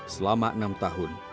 selama enam tahun